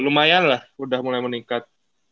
lumayan lah udah mulai meningkat